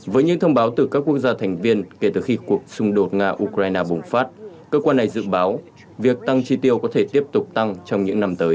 với những thông báo từ các quốc gia thành viên kể từ khi cuộc xung đột nga ukraine bùng phát cơ quan này dự báo việc tăng chi tiêu có thể tiếp tục tăng trong những năm tới